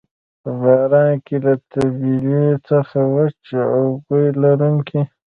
په باران کې له طبیلې څخه وچ او بوی لرونکی.